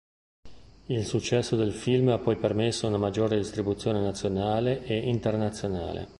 Il successo del film ha poi permesso una maggiore distribuzione nazionale e internazionale.